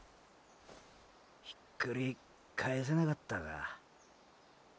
ひっくり返せなかったか。